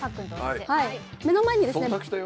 目の前にですね。